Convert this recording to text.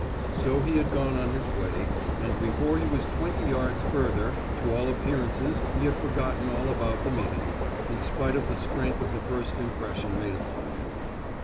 So he had gone on his way, and before he was twenty yards further, to all appearances he had forgotten all about the meeting, in spite of the strength of the first impression made upon him.